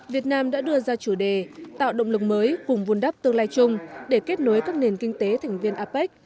việt nam đã đưa ra chủ đề tạo động lực mới cùng vun đắp tương lai chung để kết nối các nền kinh tế thành viên apec